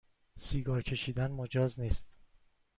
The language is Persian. سیگار کشیدن مجاز نیست